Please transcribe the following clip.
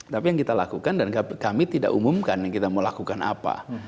tapi yang kita lakukan dan kami tidak umumkan yang kita mau lakukan apa